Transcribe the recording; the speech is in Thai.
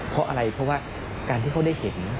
เพราะอะไรเพราะว่าการที่เขาได้เห็น